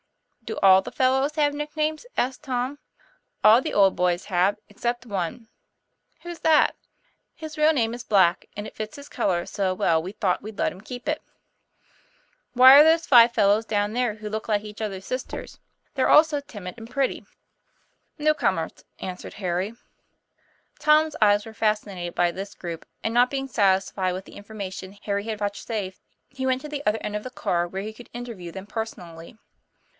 "Do all the fellows have nicknames?" asked Tom. ;' All the old boys have, except one." "Who's that?" " His real name is Black, and it fits his color so well we thought we'd let him keep it." 'Who are those five fellows down there, who look like each other's sisters, they're all so timid and pretty?" 36 TOM PLAYFAIR. "New comers," answered Harry. Tom's eyes were fascinated by this group; and, not being satisfied with the information Harry had vouchsafed, he went to the other end of the car where he could interview them personally.